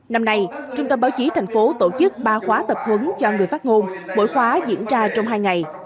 năm nay trung tâm báo chí tp hcm tổ chức ba khóa tập huấn cho người phát ngôn bổi khóa diễn ra trong hai ngày